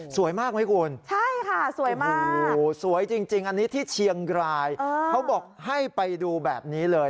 สวยมากไหมคุณสวยจริงอันนี้ที่เชียงกลายเขาบอกให้ไปดูแบบนี้เลย